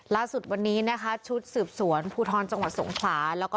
ล่าสุดวันนี้ชุดสืบสวนภูทรจสวงขวา